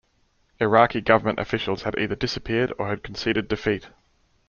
Iraqi government officials had either disappeared or had conceded defeat.